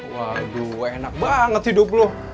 waduh enak banget hidup bloh